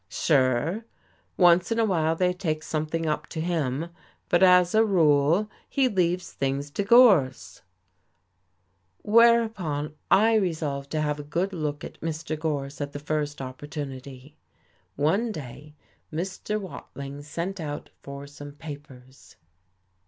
"Sure. Once in a while they take something up to him, but as a rule he leaves things to Gorse." Whereupon I resolved to have a good look at Mr. Gorse at the first opportunity. One day Mr. Watling sent out for some papers.